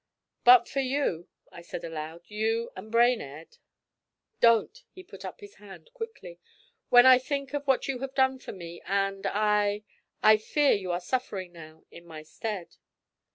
'But for you,' I said aloud, 'you and Brainerd ' 'Don't!' He put up his hand quickly. 'When I think of what you have done for me, and I I fear you are suffering now in my stead.'